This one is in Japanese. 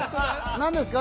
何ですか？